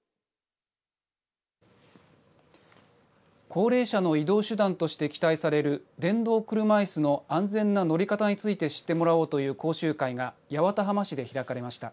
高齢者の移動手段として期待される電動車いすの安全な乗り方について知ってもらおうという講習会が八幡浜市で開かれました。